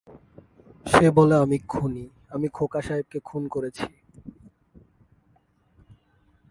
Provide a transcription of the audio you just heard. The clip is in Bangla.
সে বলে আমি খুনী, আমি খোকা সাহেবকে খুন করেছি।